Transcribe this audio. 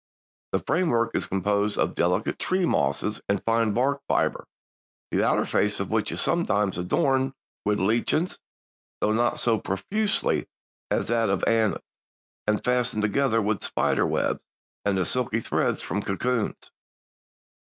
The framework is composed of delicate tree mosses and fine bark fiber, the outer face of which is sometimes adorned with lichens, though not so profusely as is that of the Anna's, and fastened together with spider's webs and the silky threads from cocoons.